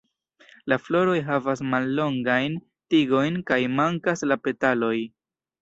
La floroj havas mallongajn tigojn kaj mankas la petaloj.